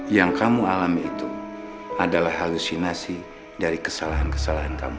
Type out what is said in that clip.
yang kamu alami itu adalah halusinasi dari kesalahan kesalahan kamu